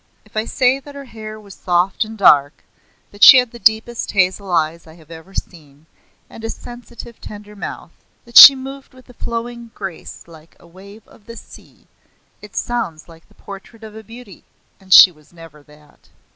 If I say that her hair was soft and dark; that she had the deepest hazel eyes I have ever seen, and a sensitive, tender mouth; that she moved with a flowing grace like "a wave of the sea" it sounds like the portrait of a beauty, and she was never that.